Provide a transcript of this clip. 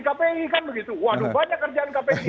kpi kan begitu waduh banyak kerjaan kpi